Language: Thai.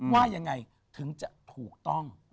ว่ายังไงถึงจะถูกต้อง